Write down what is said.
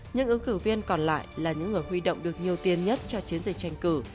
những ứng cử viên còn lại là những người huy động được nhiều tiền nhất cho chiến dịch tranh cử